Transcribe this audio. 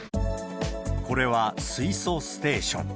これは水素ステーション。